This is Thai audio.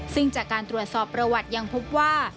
ซึ่งจากการตรวจสอบประวัติยังพบว่า